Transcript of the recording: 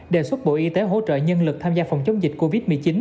đề xuất bộ y tế hỗ trợ nhân lực tham gia phòng chống dịch covid một mươi chín